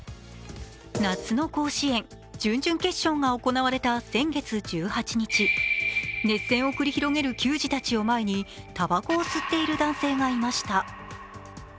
夏の甲子園、準々決勝が行われた先月１８日、熱戦を繰り広げる球児たちを前にたばこを吸っている男性がいました。